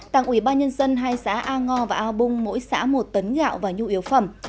tặng ủy ban nhân dân hai xã a ngo và a bung mỗi xã một tấn gạo và nhu yếu phẩm